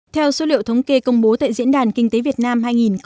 theo số liệu thống kê công bố tại diễn đàn kinh tế việt nam hai nghìn một mươi chín